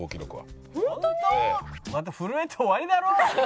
また震えて終わりだろ。